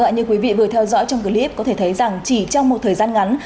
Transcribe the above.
như quý vị vừa theo dõi trong clip có thể thấy rằng chỉ trong một thời gian ngắn